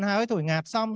hơi thổi ngạt xong